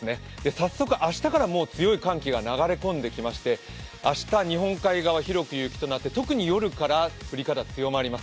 早速、明日から強い寒気が流れ込んできまして、明日、日本海側広く雪となって特に夜から降り方が強くなります。